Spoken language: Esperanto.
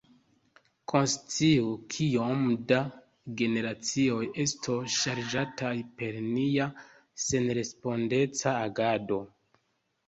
Konsciu, kiom da generacioj estos ŝarĝataj per nia senrespondeca agado.